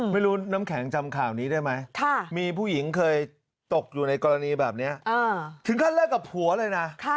น้ำแข็งจำข่าวนี้ได้ไหมมีผู้หญิงเคยตกอยู่ในกรณีแบบนี้ถึงขั้นเลิกกับผัวเลยนะ